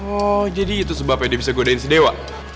oh jadi itu sebabnya dia bisa godain si dewa